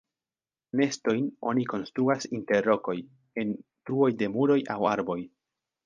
Nestojn oni konstruas inter rokoj, en truoj de muroj aŭ arboj.